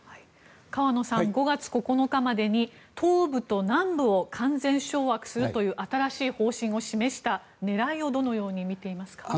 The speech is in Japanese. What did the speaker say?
河野さん５月９日までに東部と南部を完全掌握するという新しい方針を示した狙いをどのように見ていますか？